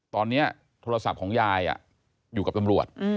ตอนนี้โทรศัพท์ของยายอยู่กับตำรวจ